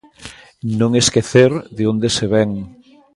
Non esquecer de onde se vén.